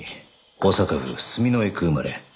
大阪府住之江区生まれ。